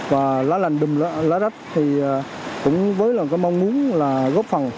và lá lành đùm lá rách thì cũng với mong muốn là góp phần